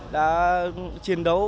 đã chiến đấu